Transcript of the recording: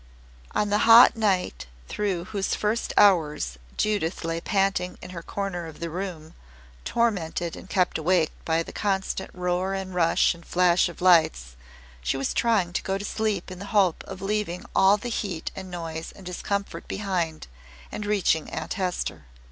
On the hot night through whose first hours Judith lay panting in her corner of the room, tormented and kept awake by the constant roar and rush and flash of lights, she was trying to go to sleep in the hope of leaving all the heat and noise and discomfort behind, and reaching Aunt Hester.